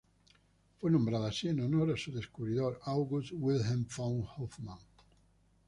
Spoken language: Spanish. Fue nombrada así en honor a su descubridor August Wilhelm von Hofmann.